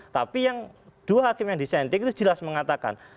tapi yang dua hakim yang dissenting itu jelas mengatakan